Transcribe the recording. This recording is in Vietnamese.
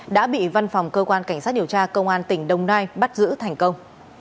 đã bị văn phòng cơ quan cảnh sát điều tra công an tỉnh đồng nai bắt giữ thành công